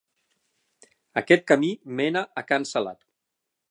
Aquest camí mena a can Salat.